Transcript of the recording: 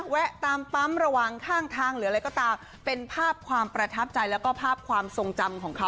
แวะตามปั๊มระหว่างข้างทางหรืออะไรก็ตามเป็นภาพความประทับใจแล้วก็ภาพความทรงจำของเขา